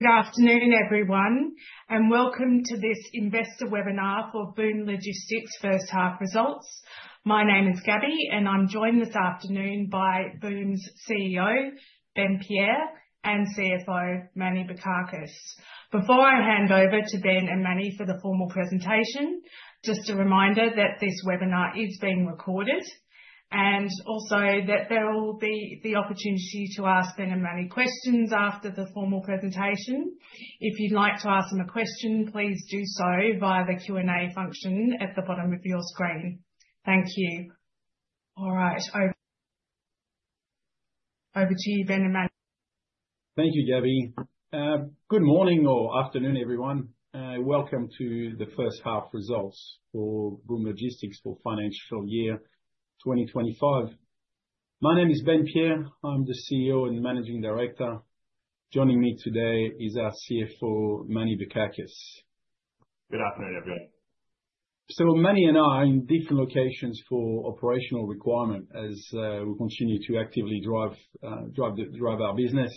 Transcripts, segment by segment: Good afternoon, everyone, and welcome to this investor webinar for Boom Logistics' first half results. My name is Gabby, and I'm joined this afternoon by Boom's CEO, Ben Pieyre, and CFO, Manny Bikakis. Before I hand over to Ben and Manny for the formal presentation, just a reminder that this webinar is being recorded, and also that there will be the opportunity to ask Ben and Manny questions after the formal presentation. If you'd like to ask them a question, please do so via the Q&A function at the bottom of your screen. Thank you. All right, over to you, Ben and Manny. Thank you, Gabby. Good morning or afternoon, everyone. Welcome to the first half results for Boom Logistics for financial year 2025. My name is Ben Pieyre. I'm the CEO and Managing Director. Joining me today is our CFO, Manny Bikakis. Good afternoon, everyone. Manny and I are in different locations for operational requirement as we continue to actively drive our business,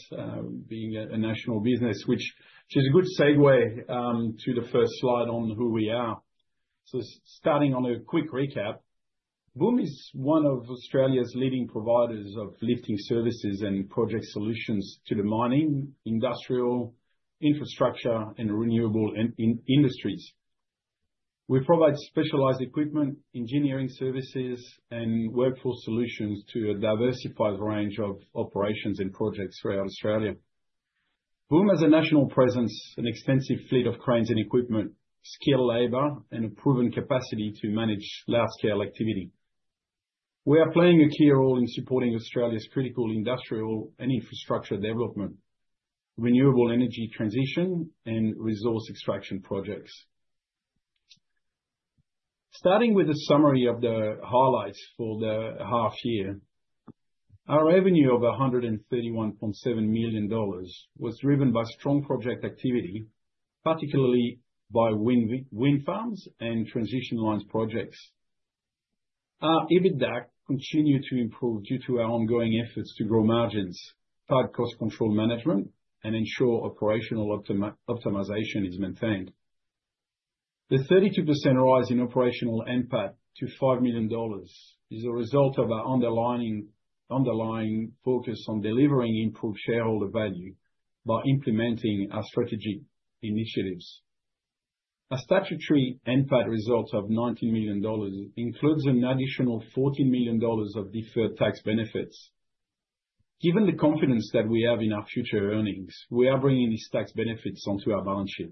being a national business, which is a good segue to the first slide on who we are. Starting on a quick recap, Boom is one of Australia's leading providers of lifting services and project solutions to the mining, industrial, infrastructure, and renewable industries. We provide specialized equipment, engineering services, and workforce solutions to a diversified range of operations and projects throughout Australia. Boom has a national presence, an extensive fleet of cranes and equipment, skilled labor, and a proven capacity to manage large-scale activity. We are playing a key role in supporting Australia's critical industrial and infrastructure development, renewable energy transition, and resource extraction projects. Starting with a summary of the highlights for the half year, our revenue of 131.7 million dollars was driven by strong project activity, particularly by wind farms and transmission lines projects. Our EBITDA continued to improve due to our ongoing efforts to grow margins, tighten cost control management, and ensure operational optimization is maintained. The 32% rise in operational NPAT to 5 million dollars is a result of our underlying focus on delivering improved shareholder value by implementing our strategic initiatives. Our statutory NPAT result of 19 million dollars includes an additional 14 million dollars of deferred tax benefits. Given the confidence that we have in our future earnings, we are bringing these tax benefits onto our balance sheet.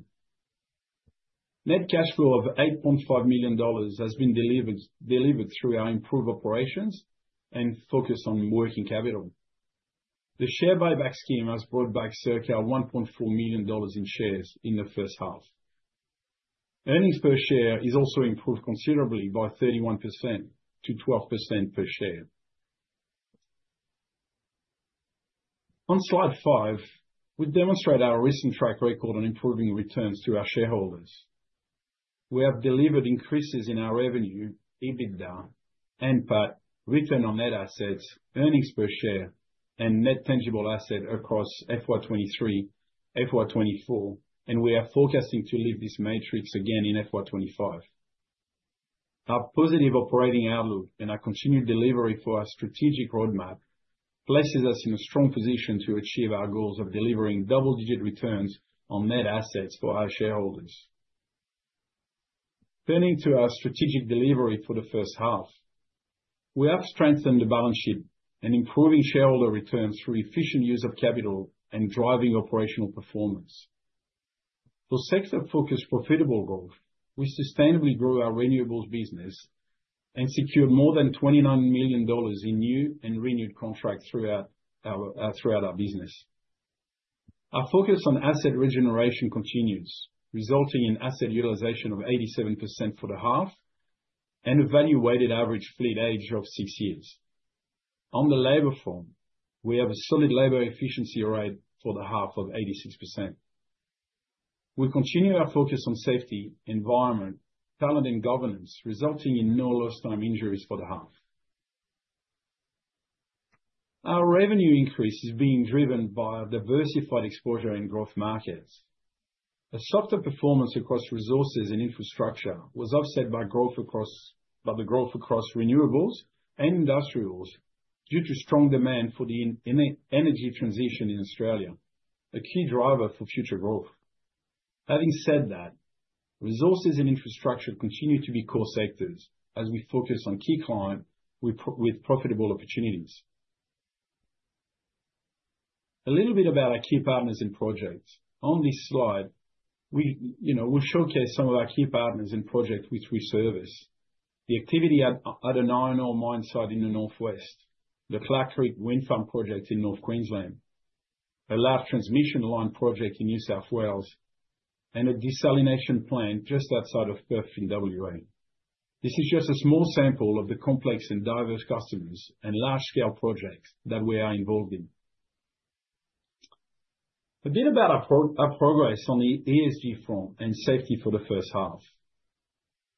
Net cash flow of 8.5 million dollars has been delivered through our improved operations and focus on working capital. The share buyback scheme has brought back circa 1.4 million dollars in shares in the first half. Earnings per share is also improved considerably by 31% to 12% per share. On slide five, we demonstrate our recent track record on improving returns to our shareholders. We have delivered increases in our revenue, EBITDA, NPAT, return on net assets, earnings per share, and net tangible asset across FY2023, FY2024, and we are forecasting to lift this matrix again in FY2025. Our positive operating outlook and our continued delivery for our strategic roadmap places us in a strong position to achieve our goals of delivering double-digit returns on net assets for our shareholders. Turning to our strategic delivery for the first half, we have strengthened the balance sheet and improved shareholder returns through efficient use of capital and driving operational performance. For sector-focused profitable growth, we sustainably grew our renewables business and secured more than 29 million dollars in new and renewed contracts throughout our business. Our focus on asset regeneration continues, resulting in asset utilization of 87% for the half and a valuated average fleet age of six years. On the labor front, we have a solid labor efficiency rate for the half of 86%. We continue our focus on safety, environment, talent, and governance, resulting in no lifetime injuries for the half. Our revenue increase is being driven by a diversified exposure in growth markets. A softer performance across resources and infrastructure was offset by growth across renewables and industrials due to strong demand for the energy transition in Australia, a key driver for future growth. Having said that, resources and infrastructure continue to be core sectors as we focus on key clients with profitable opportunities. A little bit about our key partners and projects. On this slide, we'll showcase some of our key partners and projects which we service. The activity at a nine-hour mine site in the northwest, the Clark Creek wind farm project in North Queensland, a large transmission line project in New South Wales, and a desalination plant just outside of Perth in Western Australia. This is just a small sample of the complex and diverse customers and large-scale projects that we are involved in. A bit about our progress on the ESG front and safety for the first half.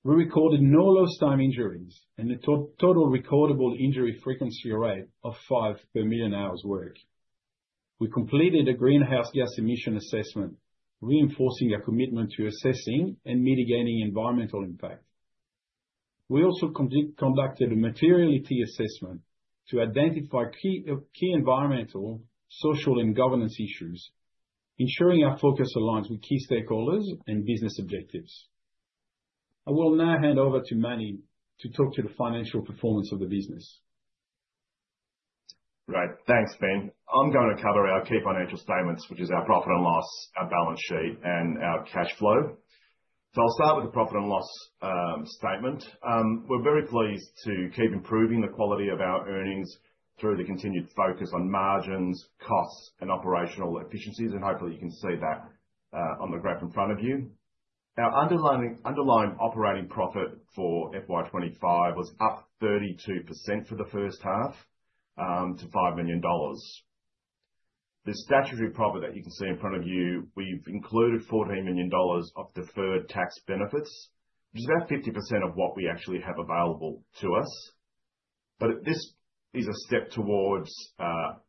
We recorded no lifetime injuries and a total recordable injury frequency rate of 5 per million hours worked. We completed a greenhouse gas emission assessment, reinforcing our commitment to assessing and mitigating environmental impact. We also conducted a materiality assessment to identify key environmental, social, and governance issues, ensuring our focus aligns with key stakeholders and business objectives. I will now hand over to Manny to talk to the financial performance of the business. Right, thanks, Ben. I'm going to cover our key financial statements, which is our profit and loss, our balance sheet, and our cash flow. I'll start with the profit and loss statement. We're very pleased to keep improving the quality of our earnings through the continued focus on margins, costs, and operational efficiencies, and hopefully you can see that on the graph in front of you. Our underlying operating profit for FY2025 was up 32% for the first half to 5 million dollars. The statutory profit that you can see in front of you, we've included 14 million dollars of deferred tax benefits, which is about 50% of what we actually have available to us. This is a step towards our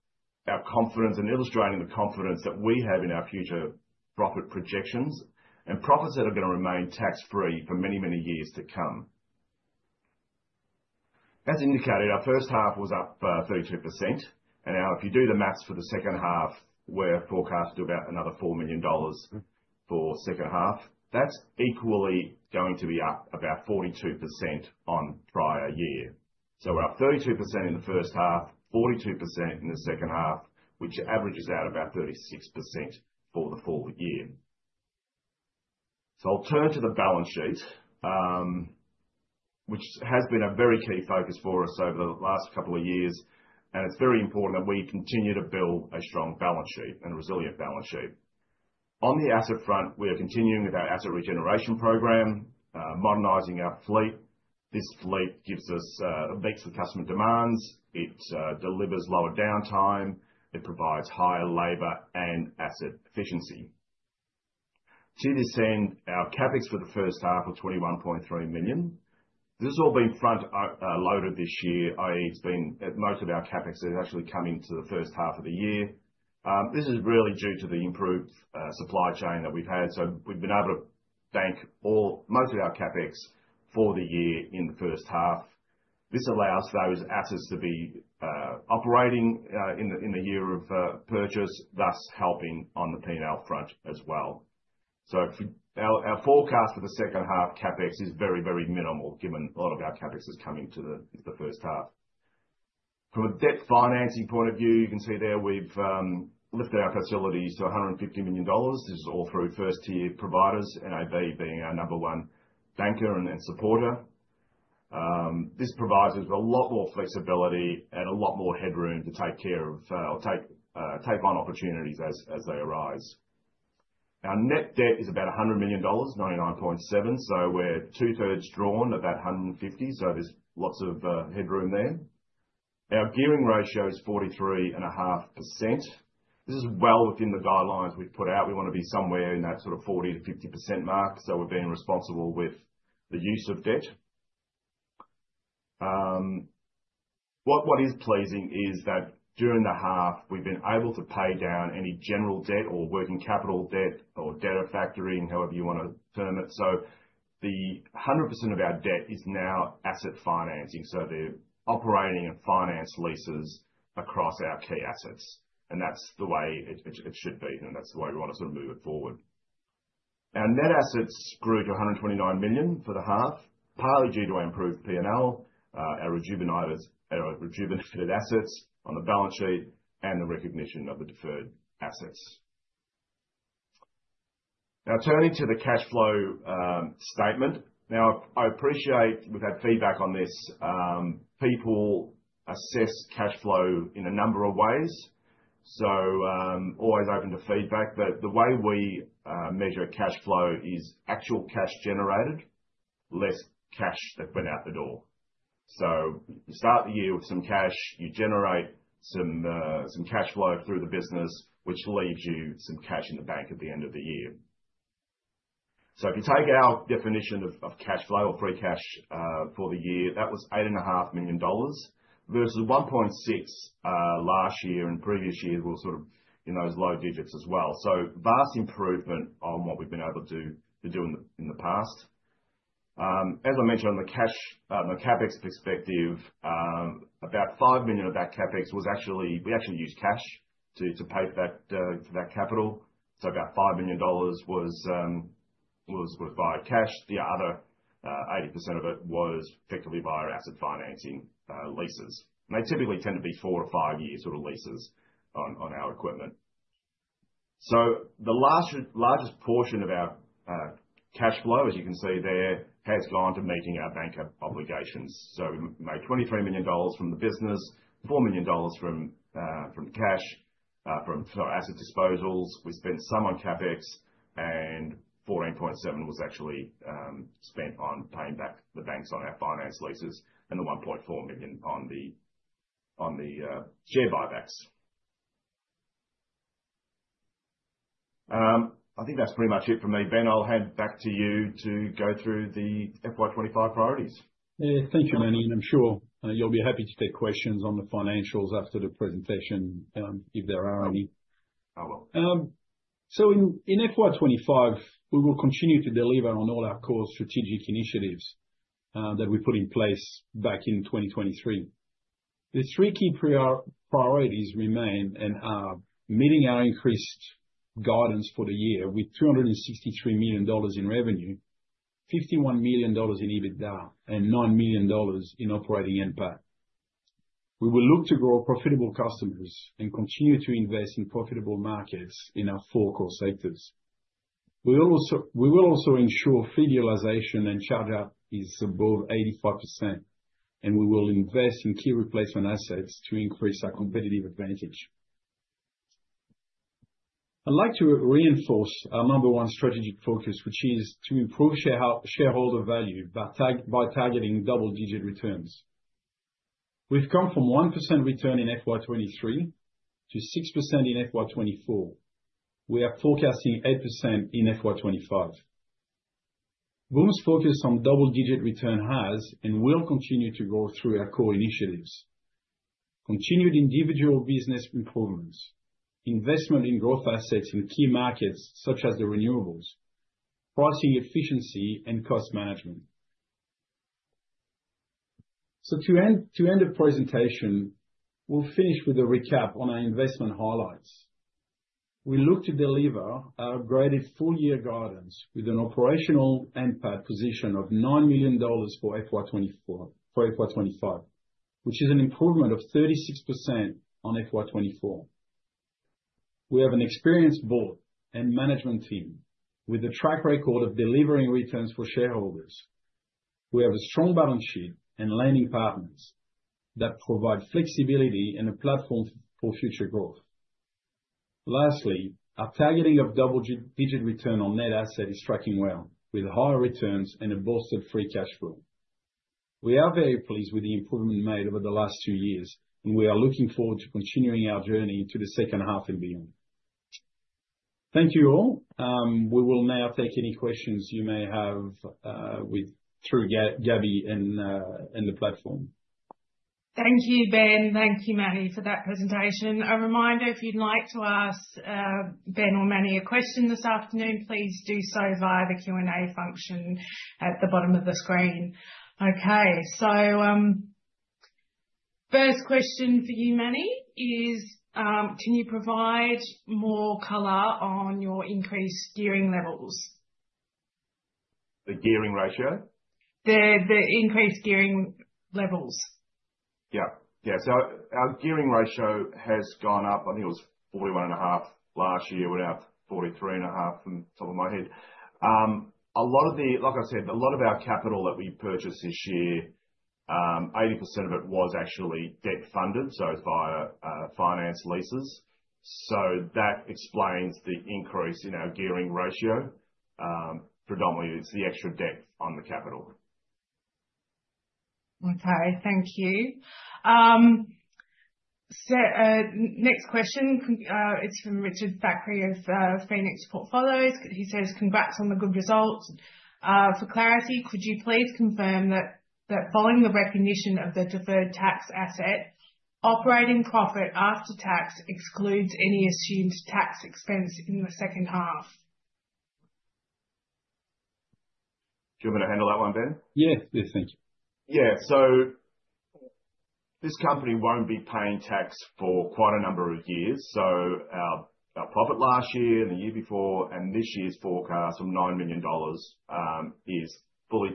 confidence and illustrating the confidence that we have in our future profit projections and profits that are going to remain tax-free for many, many years to come. As indicated, our first half was up 32%, and now if you do the maths for the second half, we're forecast to do about another 4 million dollars for the second half. That's equally going to be up about 42% on prior year. We are up 32% in the first half, 42% in the second half, which averages out about 36% for the full year. I will turn to the balance sheet, which has been a very key focus for us over the last couple of years, and it is very important that we continue to build a strong balance sheet and a resilient balance sheet. On the asset front, we are continuing with our asset regeneration program, modernizing our fleet. This fleet meets the customer demands. It delivers lower downtime. It provides higher labor and asset efficiency. To this end, our CapEx for the first half of 21.3 million. This has all been front-loaded this year, i.e., it's been most of our CapEx has actually come into the first half of the year. This is really due to the improved supply chain that we've had. So we've been able to bank most of our CapEx for the year in the first half. This allows those assets to be operating in the year of purchase, thus helping on the P&L front as well. So our forecast for the second half CapEx is very, very minimal given a lot of our CapEx is coming to the first half. From a debt financing point of view, you can see there we've lifted our facilities to 150 million dollars. This is all through first-tier providers, NAB being our number one banker and supporter. This provides us with a lot more flexibility and a lot more headroom to take care of or take on opportunities as they arise. Our net debt is about 100 million dollars, 99.7 million. We are two-thirds drawn, about 150 million. There is lots of headroom there. Our gearing ratio is 43.5%. This is well within the guidelines we have put out. We want to be somewhere in that sort of 40%-50% mark so we are being responsible with the use of debt. What is pleasing is that during the half, we have been able to pay down any general debt or working capital debt or debt of factoring, however you want to term it. 100% of our debt is now asset financing. They are operating and finance leases across our key assets. That is the way it should be, and that is the way we want to sort of move it forward. Our net assets grew to 129 million for the half, partly due to our improved P&L, our rejuvenated assets on the balance sheet, and the recognition of the deferred assets. Now, turning to the cash flow statement. I appreciate we have had feedback on this. People assess cash flow in a number of ways. Always open to feedback. The way we measure cash flow is actual cash generated, less cash that went out the door. You start the year with some cash. You generate some cash flow through the business, which leaves you some cash in the bank at the end of the year. If you take our definition of cash flow or free cash for the year, that was 8.5 million dollars versus 1.6 million last year and previous years were sort of in those low digits as well. Vast improvement on what we've been able to do in the past. As I mentioned, on the CapEx perspective, about 5 million of that CapEx was actually, we actually used cash to pay for that capital. About 5 million dollars was via cash. The other 80% of it was effectively via asset financing leases. They typically tend to be four- to five-year sort of leases on our equipment. The largest portion of our cash flow, as you can see there, has gone to meeting our banker obligations. We made 23 million dollars from the business, 4 million dollars from cash, from asset disposals. We spent some on CapEx, and 14.7 million was actually spent on paying back the banks on our finance leases and the 1.4 million on the share buybacks. I think that is pretty much it from me. Ben, I will hand back to you to go through the FY25 priorities. Yeah, thank you, Manny. I'm sure you'll be happy to take questions on the financials after the presentation if there are any. I will. In FY25, we will continue to deliver on all our core strategic initiatives that we put in place back in 2023. The three key priorities remain and are meeting our increased guidance for the year with 263 million dollars in revenue, 51 million dollars in EBITDA, and 9 million dollars in operating NPAT. We will look to grow profitable customers and continue to invest in profitable markets in our four core sectors. We will also ensure fee realization and charge-out is above 85%, and we will invest in key replacement assets to increase our competitive advantage. I'd like to reinforce our number one strategic focus, which is to improve shareholder value by targeting double-digit returns. We've come from 1% return in FY23 to 6% in FY24. We are forecasting 8% in FY25. Boom's focus on double-digit return has and will continue to grow through our core initiatives. Continued individual business improvements, investment in growth assets in key markets such as the renewables, pricing efficiency, and cost management. To end the presentation, we'll finish with a recap on our investment highlights. We look to deliver our upgraded full-year guidance with an operational NPAT position of 9 million dollars for FY24, which is an improvement of 36% on FY24. We have an experienced board and management team with a track record of delivering returns for shareholders. We have a strong balance sheet and lending partners that provide flexibility and a platform for future growth. Lastly, our targeting of double-digit return on net asset is tracking well with higher returns and a boosted free cash flow. We are very pleased with the improvement made over the last two years, and we are looking forward to continuing our journey into the second half and beyond. Thank you all. We will now take any questions you may have through Gabby and the platform. Thank you, Ben. Thank you, Manny, for that presentation. A reminder, if you'd like to ask Ben or Manny a question this afternoon, please do so via the Q&A function at the bottom of the screen. Okay, so first question for you, Manny, is can you provide more color on your increased gearing levels? The gearing ratio? The increased gearing levels. Yeah, yeah. Our gearing ratio has gone up. I think it was 41.5% last year. We're now 43.5%, from the top of my head. A lot of the, like I said, a lot of our capital that we purchased this year, 80% of it was actually debt funded, so it's via finance leases. That explains the increase in our gearing ratio. Predominantly, it's the extra debt on the capital. Okay, thank you. Next question. It's from Richard Thackeray of Phoenix Portfolios. He says, "Congrats on the good results. For clarity, could you please confirm that following the recognition of the deferred tax asset, operating profit after tax excludes any assumed tax expense in the second half? Do you want me to handle that one, Ben? Yeah, thank you. Yeah, so this company won't be paying tax for quite a number of years. Our profit last year and the year before and this year's forecast of 9 million dollars is fully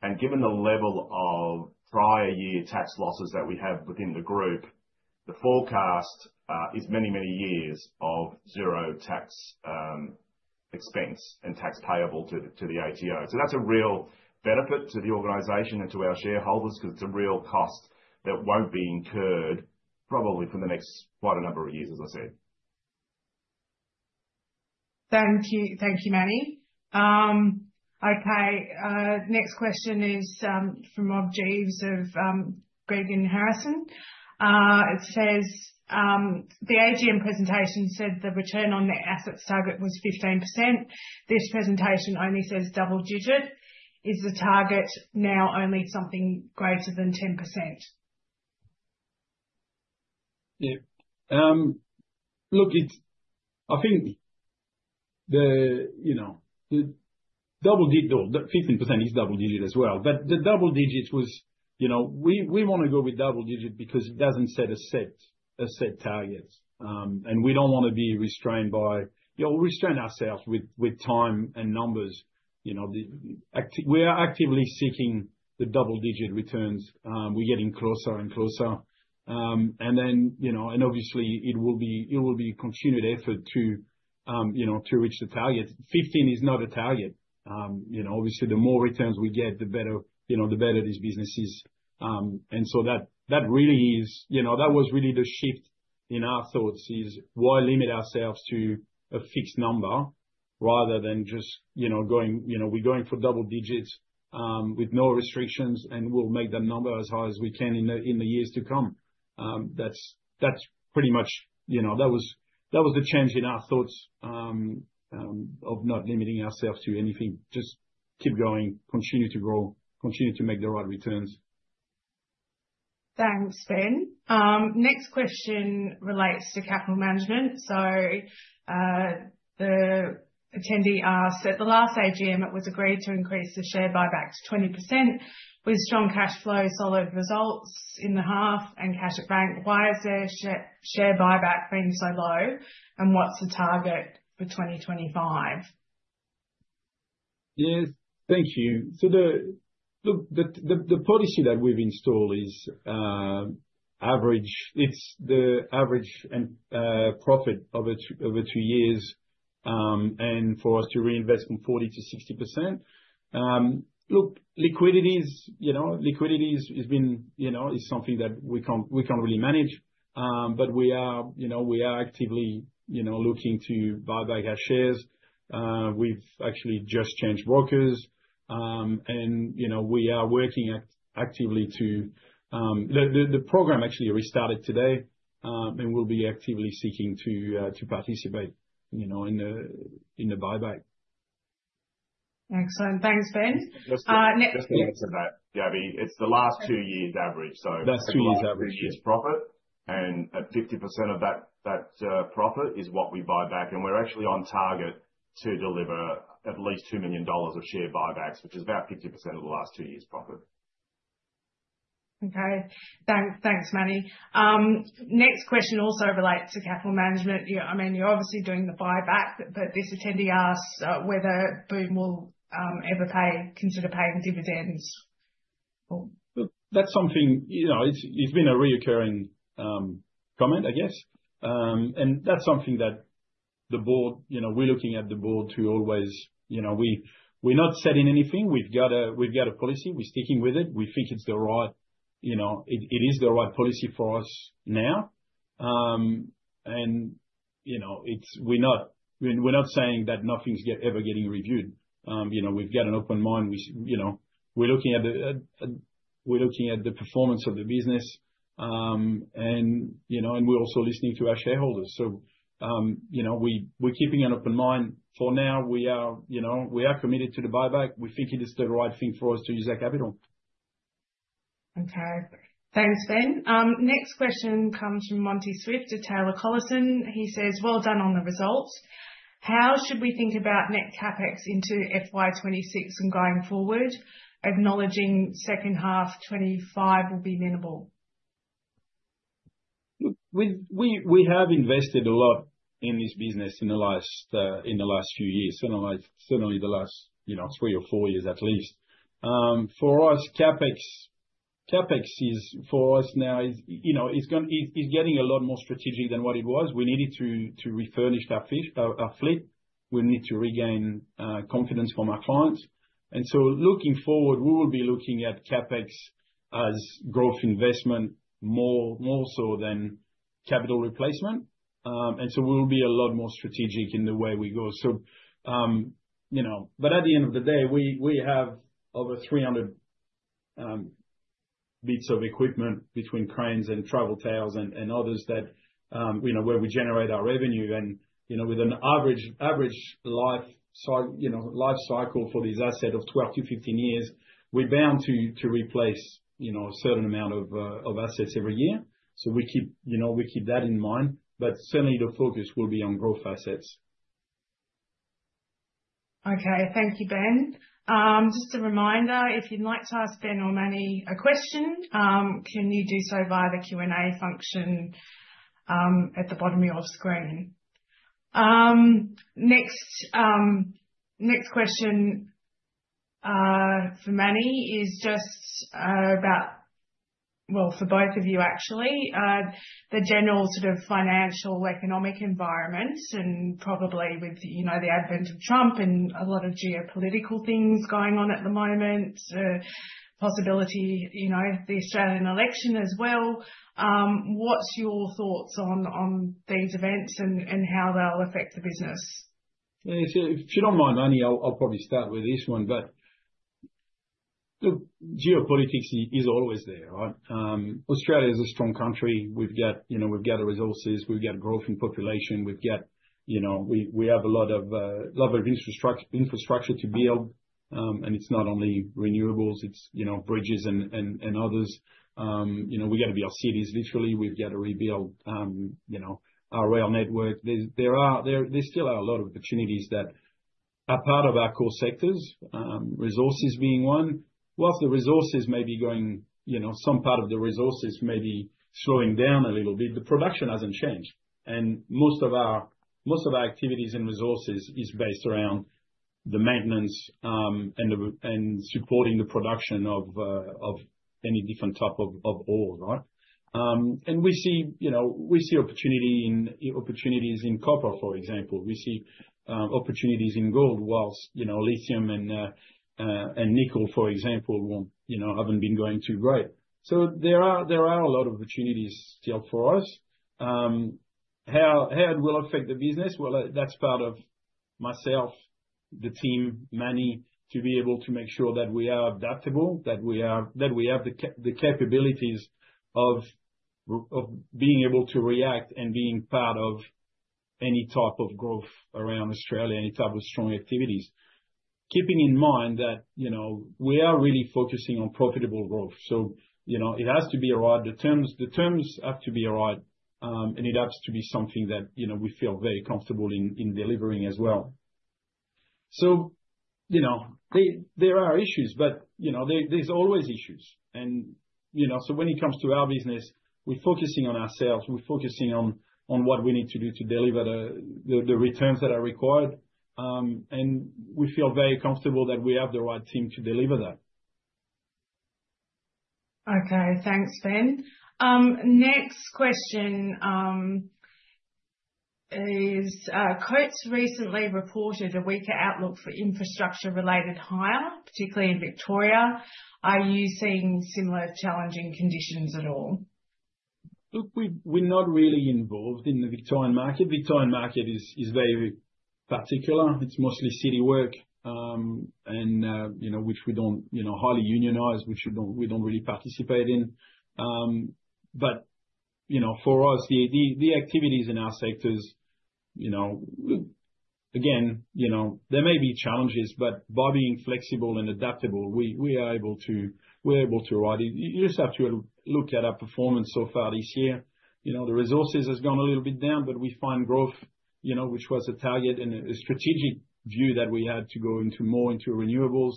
tax-free. Given the level of prior year tax losses that we have within the group, the forecast is many, many years of zero tax expense and tax payable to the ATO. That is a real benefit to the organization and to our shareholders because it is a real cost that won't be incurred probably for the next quite a number of years, as I said. Thank you, Manny. Okay, next question is from Rob Jeeves of Gregan Harrison. It says, "The AGM presentation said the return on the assets target was 15%. This presentation only says double-digit. Is the target now only something greater than 10%? Yeah. Look, I think the double-digit or 15% is double-digit as well. The double-digit was, you know, we want to go with double-digit because it does not set a set target. We do not want to be restrained by, you know, we will restrain ourselves with time and numbers. We are actively seeking the double-digit returns. We are getting closer and closer. You know, and obviously, it will be a continued effort to reach the target. 15% is not a target. You know, obviously, the more returns we get, the better these businesses. That really is, you know, that was really the shift in our thoughts, is why limit ourselves to a fixed number rather than just, you know, going, you know, we are going for double digits with no restrictions, and we will make that number as high as we can in the years to come. That's pretty much, you know, that was the change in our thoughts of not limiting ourselves to anything. Just keep going, continue to grow, continue to make the right returns. Thanks, Ben. Next question relates to capital management. The attendee asked, "At the last AGM, it was agreed to increase the share buyback to 20% with strong cash flow, solid results in the half, and cash at bank. Why is the share buyback being so low? What's the target for 2025? Yeah, thank you. Look, the policy that we've installed is average. It's the average profit over two years. And for us to reinvest from 40%-60%. Look, liquidity has been, you know, is something that we can't really manage. But we are actively looking to buy back our shares. We've actually just changed brokers. We are working actively to the program actually restarted today. We will be actively seeking to participate in the buyback. Excellent. Thanks, Ben. Just to add to that, Gabby, it's the last two years' average. Last two years' average. Three years' profit. And 50% of that profit is what we buy back. And we're actually on target to deliver at least 2 million dollars of share buybacks, which is about 50% of the last two years' profit. Okay. Thanks, Manny. Next question also relates to capital management. I mean, you're obviously doing the buyback, but this attendee asks whether Boom will ever consider paying dividends. Look, that's something, you know, it's been a recurring comment, I guess. That's something that the board, you know, we're looking at the board to always, you know, we're not setting anything. We've got a policy. We're sticking with it. We think it's the right, you know, it is the right policy for us now. You know, we're not saying that nothing's ever getting reviewed. You know, we've got an open mind. You know, we're looking at the performance of the business. You know, and we're also listening to our shareholders. You know, we're keeping an open mind. For now, we are committed to the buyback. We think it is the right thing for us to use our capital. Okay. Thanks, Ben. Next question comes from Monty Swift at Taylor Collison. He says, "Well done on the results. How should we think about net CapEx into FY2026 and going forward, acknowledging second half 2025 will be minimal? Look, we have invested a lot in this business in the last few years, certainly the last, you know, three or four years at least. For us, CapEx is for us now, you know, is getting a lot more strategic than what it was. We needed to refurnish our fleet. We need to regain confidence from our clients. Looking forward, we will be looking at CapEx as growth investment more so than capital replacement. We will be a lot more strategic in the way we go. You know, at the end of the day, we have over 300 bits of equipment between cranes and travel tails and others that, you know, where we generate our revenue. You know, with an average life cycle for these assets of 12-15 years, we're bound to replace, you know, a certain amount of assets every year. We keep, you know, we keep that in mind. Certainly, the focus will be on growth assets. Okay, thank you, Ben. Just a reminder, if you'd like to ask Ben or Manny a question, can you do so via the Q&A function at the bottom of your screen. Next question for Manny is just about, well, for both of you, actually, the general sort of financial economic environment and probably with, you know, the advent of Trump and a lot of geopolitical things going on at the moment, possibility, you know, the Australian election as well. What's your thoughts on these events and how they'll affect the business? If you do not mind, Manny, I will probably start with this one. Look, geopolitics is always there, right? Australia is a strong country. We have got, you know, we have got the resources. We have got growth in population. We have got, you know, we have a lot of infrastructure to build. It is not only renewables. It is, you know, bridges and others. You know, we have got to build our cities literally. We have got to rebuild, you know, our rail network. There still are a lot of opportunities that are part of our core sectors, resources being one. Whilst the resources may be going, you know, some part of the resources may be slowing down a little bit, the production has not changed. Most of our activities and resources are based around the maintenance and supporting the production of any different type of oil, right? We see, you know, we see opportunities in copper, for example. We see opportunities in gold whilst, you know, lithium and nickel, for example, have not been going too great. There are a lot of opportunities still for us. How it will affect the business? That is part of myself, the team, Manny, to be able to make sure that we are adaptable, that we have the capabilities of being able to react and being part of any type of growth around Australia, any type of strong activities. Keeping in mind that, you know, we are really focusing on profitable growth. It has to be all right. The terms have to be all right. It has to be something that, you know, we feel very comfortable in delivering as well. There are issues, but, you know, there are always issues. You know, when it comes to our business, we're focusing on ourselves. We're focusing on what we need to do to deliver the returns that are required. We feel very comfortable that we have the right team to deliver that. Okay, thanks, Ben. Next question is, "Coates recently reported a weaker outlook for infrastructure-related hire, particularly in Victoria. Are you seeing similar challenging conditions at all? Look, we're not really involved in the Victorian market. The Victorian market is very particular. It's mostly city work, and, you know, which we don't, you know, highly unionized, which we don't really participate in. For us, the activities in our sectors, you know, look, again, you know, there may be challenges, but by being flexible and adaptable, we are able to ride. You just have to look at our performance so far this year. The resources have gone a little bit down, but we find growth, you know, which was a target and a strategic view that we had to go more into renewables.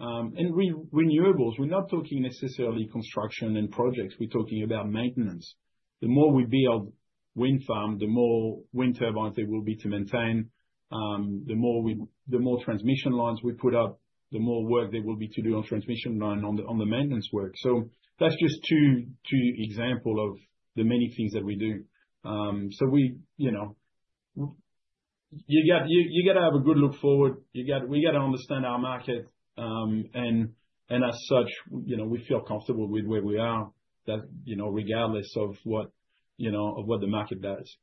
And renewables, we're not talking necessarily construction and projects. We're talking about maintenance. The more we build wind farms, the more wind turbines there will be to maintain. The more transmission lines we put up, the more work there will be to do on transmission line on the maintenance work. So that's just two examples of the many things that we do. So we, you know, you got to have a good look forward. We got to understand our market. And as such, you know, we feel comfortable with where we are, you know, regardless of what, you know, of what the market does.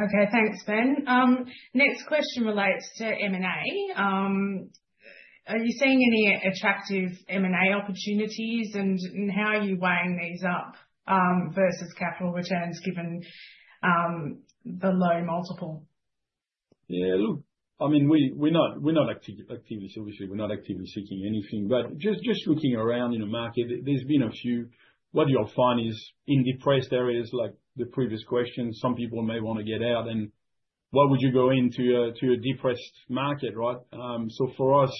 Okay, thanks, Ben. Next question relates to M&A. Are you seeing any attractive M&A opportunities and how are you weighing these up versus capital returns given the low multiple? Yeah, look, I mean, we're not actively, obviously, we're not actively seeking anything. But just looking around in the market, there's been a few. What you'll find is in depressed areas, like the previous question, some people may want to get out. Why would you go into a depressed market, right? For us,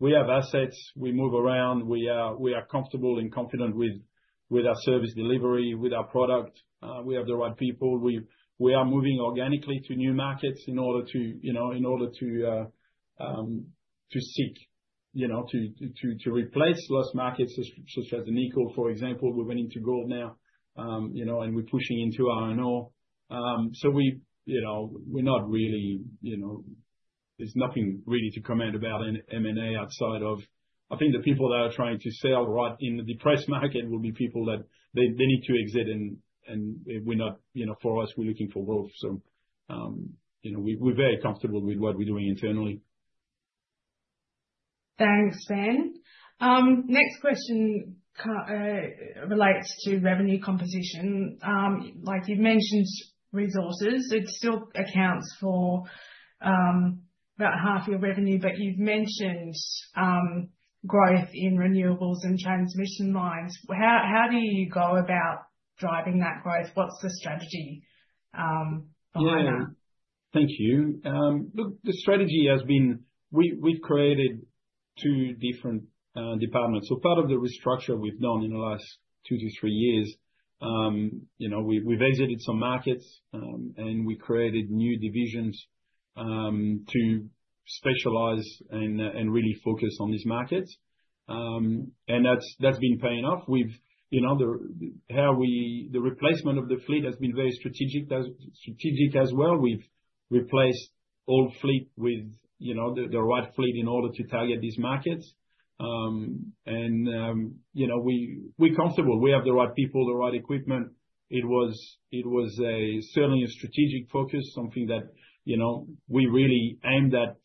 we have assets. We move around. We are comfortable and confident with our service delivery, with our product. We have the right people. We are moving organically to new markets in order to, you know, in order to seek, you know, to replace lost markets such as the nickel, for example. We're going into gold now, you know, and we're pushing into iron ore. We, you know, we're not really, you know, there's nothing really to comment about M&A outside of, I think the people that are trying to sell right in the depressed market will be people that they need to exit. We're not, you know, for us, we're looking for growth. You know, we're very comfortable with what we're doing internally. Thanks, Ben. Next question relates to revenue composition. Like you've mentioned, resources, it still accounts for about half your revenue, but you've mentioned growth in renewables and transmission lines. How do you go about driving that growth? What's the strategy behind that? Yeah, thank you. Look, the strategy has been, we've created two different departments. Part of the restructure we've done in the last two to three years, you know, we've exited some markets and we created new divisions to specialize and really focus on these markets. That's been paying off. You know, the replacement of the fleet has been very strategic as well. We've replaced old fleet with, you know, the right fleet in order to target these markets. You know, we're comfortable. We have the right people, the right equipment. It was certainly a strategic focus, something that, you know, we really aimed at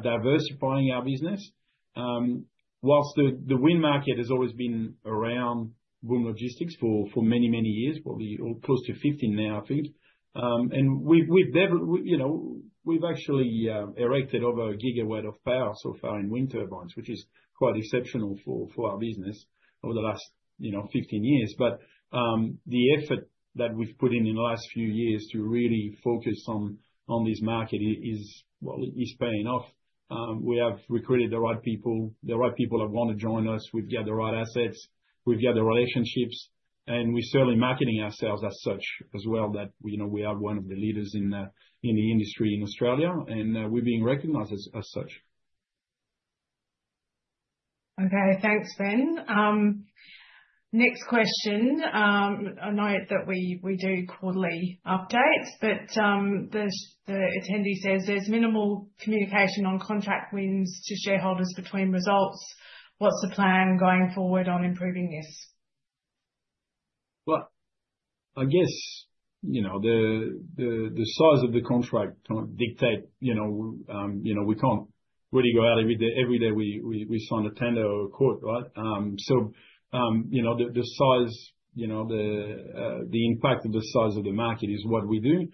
diversifying our business. Whilst the wind market has always been around Boom Logistics for many, many years, probably close to 15 now, I think. We have actually erected over a gigawatt of power so far in wind turbines, which is quite exceptional for our business over the last 15 years. The effort that we have put in in the last few years to really focus on this market is, well, it is paying off. We have recruited the right people, the right people that want to join us. We have got the right assets. We have got the relationships. We are certainly marketing ourselves as such as well that, you know, we are one of the leaders in the industry in Australia. We are being recognized as such. Okay, thanks, Ben. Next question. I know that we do quarterly updates, but the attendee says there's minimal communication on contract wins to shareholders between results. What's the plan going forward on improving this? I guess, you know, the size of the contract dictates that, you know, we can't really go out every day. Every day we sign a tender or a quote, right? The size, you know, the impact of the size of the market is what we do.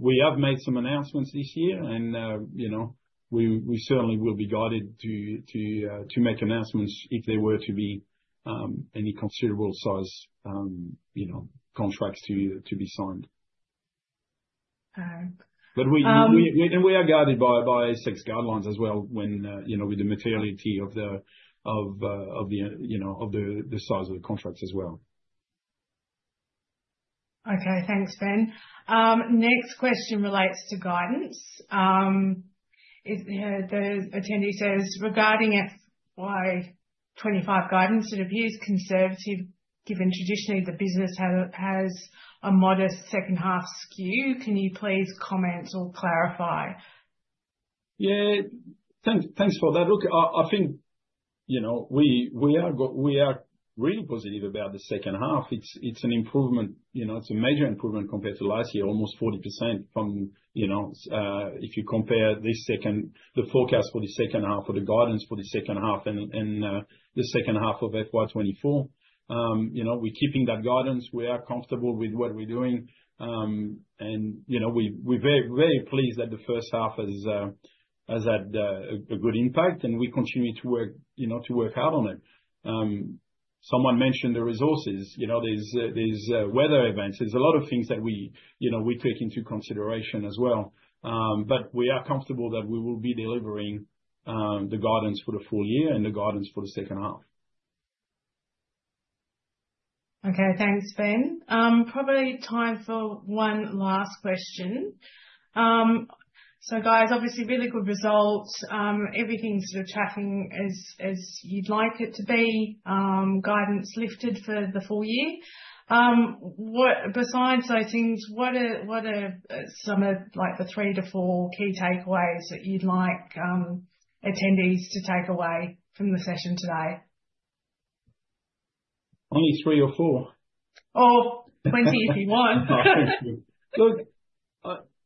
We have made some announcements this year. You know, we certainly will be guided to make announcements if there were to be any considerable size, you know, contracts to be signed. We are guided by ASX guidelines as well with the materiality of the, you know, of the size of the contracts as well. Okay, thanks, Ben. Next question relates to guidance. The attendee says, "Regarding FY2025 guidance, it appears conservative given traditionally the business has a modest second half skew. Can you please comment or clarify? Yeah, thanks for that. Look, I think, you know, we are really positive about the second half. It's an improvement, you know, it's a major improvement compared to last year, almost 40% from, you know, if you compare the forecast for the second half, for the guidance for the second half and the second half of FY2024. You know, we're keeping that guidance. We are comfortable with what we're doing. You know, we're very, very pleased that the first half has had a good impact. We continue to work, you know, to work hard on it. Someone mentioned the resources. You know, there's weather events. There's a lot of things that we, you know, we take into consideration as well. We are comfortable that we will be delivering the guidance for the full year and the guidance for the second half. Okay, thanks, Ben. Probably time for one last question. Guys, obviously really good results. Everything's sort of tracking as you'd like it to be. Guidance lifted for the full year. Besides those things, what are some of like the three to four key takeaways that you'd like attendees to take away from the session today? Only three or four. Or 20 if you want. Look,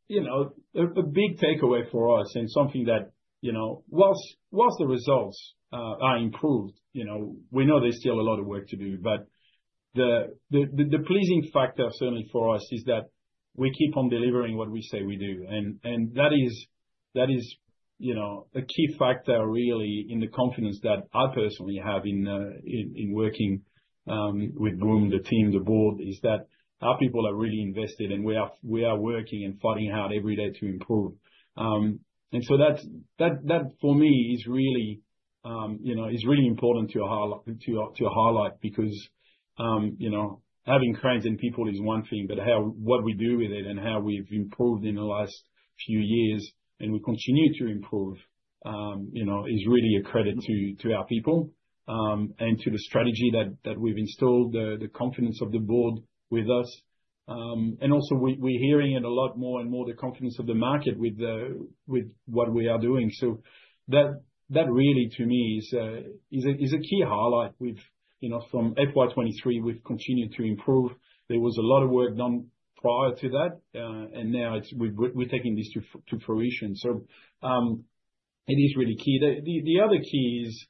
you know, a big takeaway for us and something that, you know, whilst the results are improved, you know, we know there's still a lot of work to do. The pleasing factor certainly for us is that we keep on delivering what we say we do. That is, you know, a key factor really in the confidence that I personally have in working with Boom, the team, the board, is that our people are really invested and we are working and fighting hard every day to improve. That for me is really, you know, is really important to highlight because, you know, having cranes and people is one thing, but what we do with it and how we've improved in the last few years and we continue to improve, you know, is really a credit to our people and to the strategy that we've installed, the confidence of the board with us. Also, we're hearing it a lot more and more, the confidence of the market with what we are doing. That really to me is a key highlight. You know, from FY2023, we've continued to improve. There was a lot of work done prior to that. Now we're taking this to fruition. It is really key. The other key is,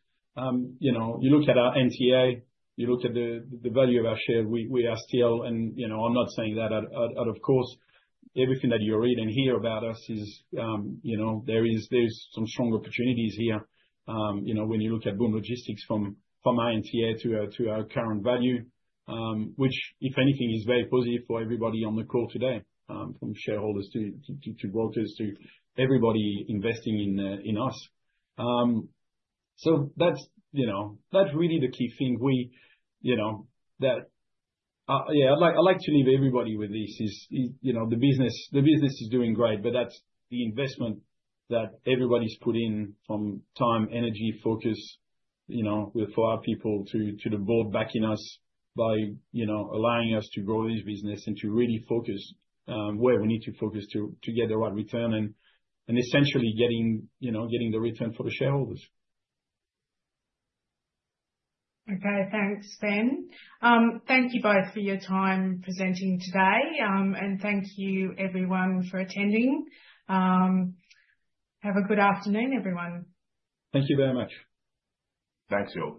you know, you look at our NTA, you look at the value of our share, we are still, and, you know, I'm not saying that out of course. Everything that you read and hear about us is, you know, there's some strong opportunities here, you know, when you look at Boom Logistics from our NTA to our current value, which if anything is very positive for everybody on the call today, from shareholders to brokers to everybody investing in us. That is, you know, that's really the key thing. We, you know, yeah, I'd like to leave everybody with this is, you know, the business is doing great, but that's the investment that everybody's put in from time, energy, focus, you know, for our people to the board backing us by, you know, allowing us to grow this business and to really focus where we need to focus to get the right return and essentially getting, you know, getting the return for the shareholders. Okay, thanks, Ben. Thank you both for your time presenting today. Thank you everyone for attending. Have a good afternoon, everyone. Thank you very much. Thanks everyone.